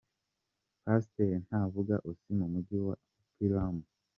Pasteur Ntavuka Osee, mu mujyi wa Plymouth.